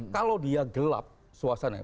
kalau dia gelap suasananya